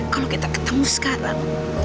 kalau kita ketemu sekarang